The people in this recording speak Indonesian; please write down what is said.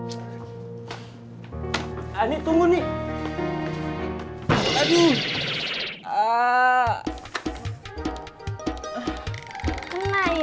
kamu terima lamaran aku nih